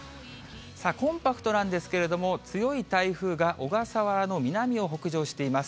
コンパクトなんですけれども、強い台風が小笠原の南を北上しています。